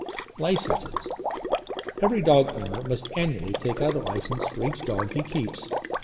LICENCES Every dog owner must annually take out a licence for each dog he keeps.